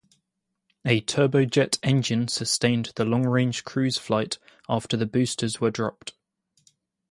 A turbojet engine sustained the long-range cruise flight after the boosters were dropped.